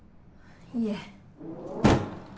いえ。